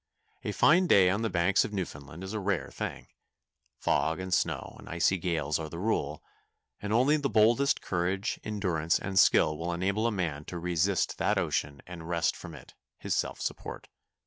A fine day on the Banks of Newfoundland is a rare thing; fog and snow and icy gales are the rule, and only the boldest courage, endurance, and skill will enable a man to resist that ocean and wrest from it his self support.